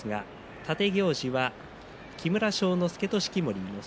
立行司は木村庄之助と式守伊之助。